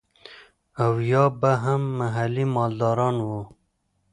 او يا به هم محلي مالداران وو.